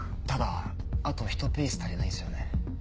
ただあと１ピース足りないんすよね。